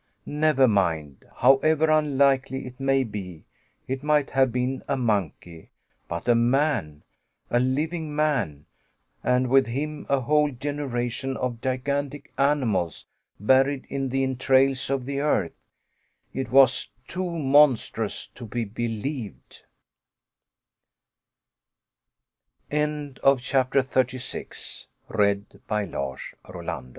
Never mind. However unlikely it may be, it might have been a monkey but a man, a living man, and with him a whole generation of gigantic animals, buried in the entrails of the earth it was too monstrous to be believed! CHAPTER 37 THE MYSTERIOUS DAGGER During this time,